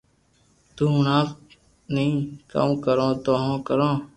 تو ھڻاٽو ني ڪاو ڪرو تو ھون ڪرو